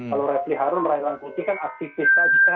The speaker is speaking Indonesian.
kalau refli harun ray rangkuti kan aktifis